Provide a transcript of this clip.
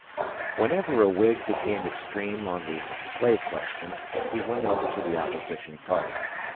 Whenever a Whig became extreme on the slave question, he went over to the opposition party.